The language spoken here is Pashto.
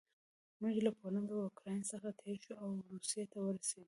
موږ له پولنډ او اوکراین څخه تېر شوو او روسیې ته ورسېدو